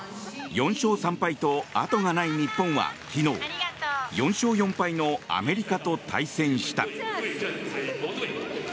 ４勝３敗と後がない日本は、昨日４勝４敗のアメリカと対戦した。